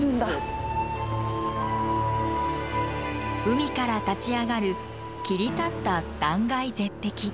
海から立ち上がる切り立った断崖絶壁。